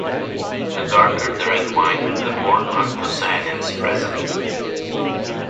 The darker the red wine, the more anthocyanins present.